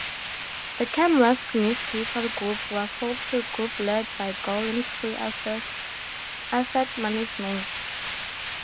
The Canwest newspaper group was sold to a group led by GoldenTree Asset Management.